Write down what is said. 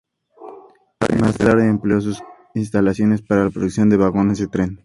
Más tarde amplió sus instalaciones para la producción de vagones de tren.